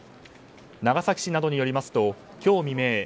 長崎市などによりますと今日未明